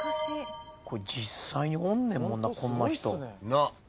これ実際におんねんもんなこんな人。